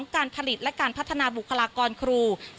การผลิตและการพัฒนาบุคลากรครู